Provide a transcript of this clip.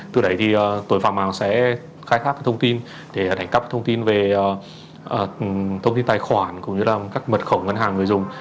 từ đấy tội phạm hàng sẽ khai thác thông tin để đánh cấp thông tin về tài khoản các mật khẩu ngân hàng người dùng